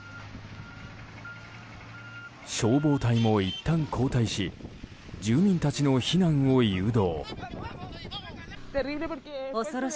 消防隊もいったん後退し住民たちの避難を誘導。